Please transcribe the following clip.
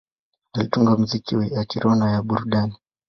Alitunga muziki ya kiroho na ya burudani.